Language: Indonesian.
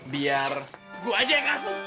biar gue aja yang kasih